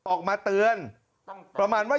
ออกมาเตือนประมาณว่า